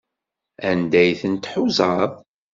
Anda ay tent-tḥuzaḍ?